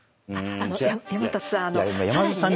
山里さん